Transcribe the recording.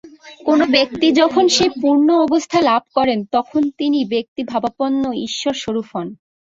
কোন ব্যক্তি যখন সেই পূর্ণ অবস্থা লাভ করেন, তখন তিনি ব্যক্তিভাবাপন্ন ঈশ্বর-স্বরূপ হন।